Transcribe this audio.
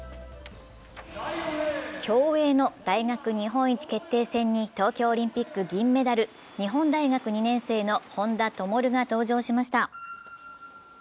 競泳の大学日本一決定戦に東京オリンピック銀メダル、日本大学２年生の本多灯が登場しました。